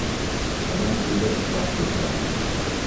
Ҡәләм туҙыр саҡ етә?